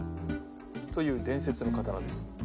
という伝説の刀です。